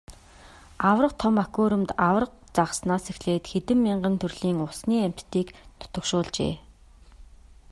Аварга том аквариумд аварга загаснаас эхлээд хэдэн мянган төрлийн усны амьтдыг нутагшуулжээ.